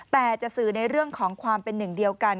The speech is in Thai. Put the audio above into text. แต่จะสื่อในเรื่องของความเป็นหนึ่งเดียวกัน